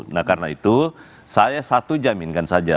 nah karena itu saya satu jaminkan saja